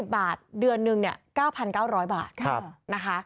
บาทเดือนนึงเนี่ย๙๙๐๐บาทนะคะ